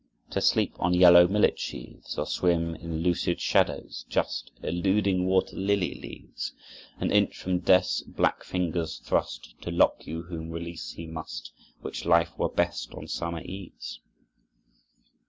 To sleep on yellow millet sheaves, Or swim in lucid shadows, just Eluding water lily leaves. An inch from Death's black fingers, thrust To lock you, whom release he must; Which life were best on summer eves?"